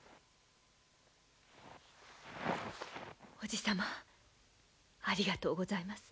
叔父様ありがとうございます。